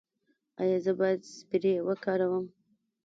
ایا زه باید سپری وکاروم؟